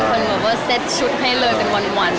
เป็นคนว่าเซตชุดให้เริ่มเป็นวัน